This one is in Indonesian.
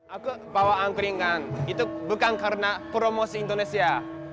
aku bawa angkringan itu bukan karena promosi indonesia